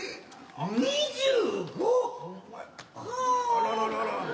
あらららら。